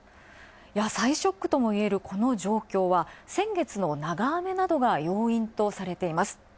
野菜ショックともいえるこの状況は、先月の長雨要因とされています。